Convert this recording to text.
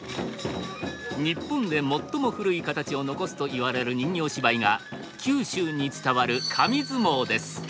日本で最も古い形を残すといわれる人形芝居が九州に伝わる神相撲です。